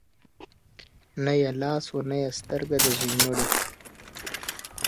نه يې لاس و نه يې سترگه د زوى مړي.